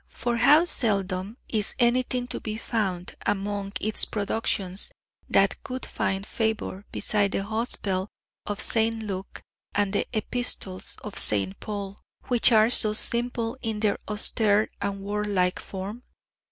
For how seldom is anything to be found among its productions that could find favour beside the Gospel of St. Luke and the Epistles of St. Paul, which are so simple in their austere and warlike form?